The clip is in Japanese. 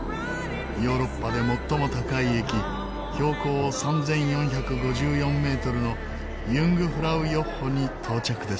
ヨーロッパで最も高い駅標高３４５４メートルのユングフラウヨッホに到着です。